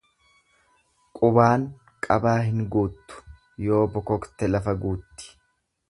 Qubaan qabaa hin guuttu, yoo bokokte lafa guutti.